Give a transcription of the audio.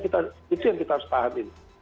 itu yang kita harus pahami